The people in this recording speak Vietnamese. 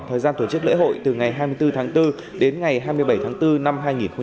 thời gian tổ chức lễ hội từ ngày hai mươi bốn tháng bốn đến ngày hai mươi bảy tháng bốn năm hai nghìn hai mươi bốn